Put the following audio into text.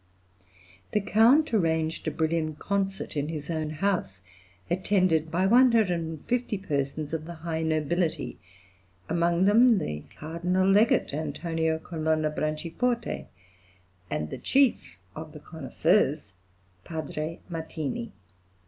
The Count arranged a brilliant concert in his own house, attended by 150 persons of the high nobility, among them the Cardinal Legate Antonio Colonna Branci forte, and the chief of connoisseurs Padre Martini.